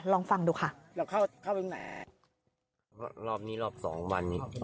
ลองฟังดูค่ะ